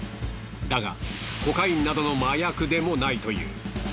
だがコカインなどの麻薬でもないという。